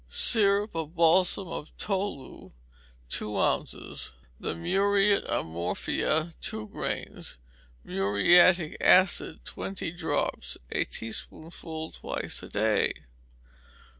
Syrup of balsam of tolu, two ounces; the muriate of morphia, two grains; muriatic acid, twenty drops: a teaspoonful twice a day.